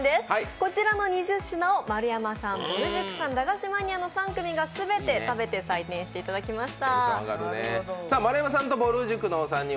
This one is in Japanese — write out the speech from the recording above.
こちらの２０品を丸山さん、ぼる塾駄菓子マニアの３組が全て食べて採点していただきました。